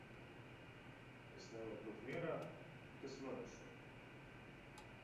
Es neliekot mierā? Kas man ar šo!